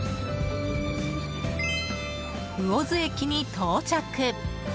魚津駅に到着。